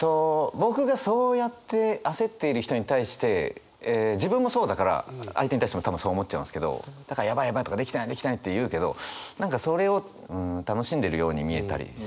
僕がそうやって焦っている人に対して自分もそうだから相手に対しても多分そう思っちゃうんですけどだからやばいやばいとかできてないできてないって言うけど何かそれを楽しんでいるように見えたりしてしまうから。